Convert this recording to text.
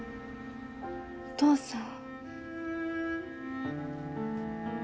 お父さん。